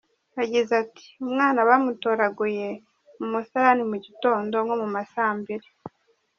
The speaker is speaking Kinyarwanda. Yagize ati “Umwana bamutoraguye mu musarani mu gitondo nko mu ma saa mbiri.